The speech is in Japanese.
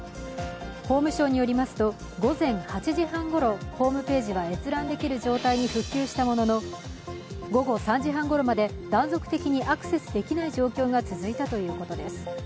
法務省によりますと午前８時半ごろホームページは閲覧できる状態に復旧したものの、午後３時半ごろまで断続的にアクセスできない状況が続いたということです。